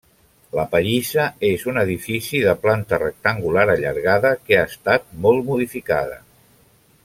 La pallissa és un edifici de planta rectangular allargada que ha estat molt modificada.